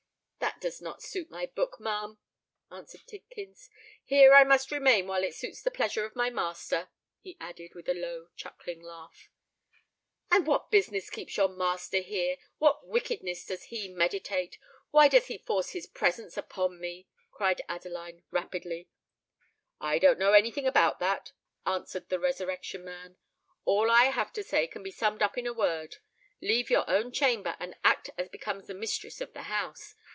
"That does not suit my book, ma'am," answered Tidkins. "Here I must remain while it suits the pleasure of my master," he added, with a low chuckling laugh. "And what business keeps your master here? what wickedness does he meditate? why does he force his presence upon me?" cried Adeline, rapidly. "I don't know any thing about that," answered the Resurrection Man. "All I have to say can be summed up in a word: leave your own chamber and act as becomes the mistress of the house.